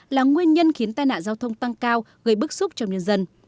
là nguyên nhân khiến tai nạn giao thông tăng cao gây bức xúc trong nhân dân